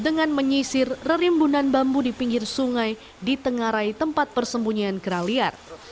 nyisir rerimbunan bambu di pinggir sungai di tengah rai tempat persembunyian kera liar